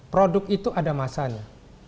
produk itu ada masanya